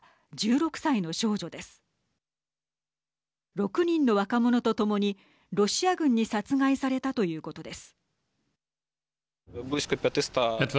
６人の若者と共にロシア軍に殺害されたということです。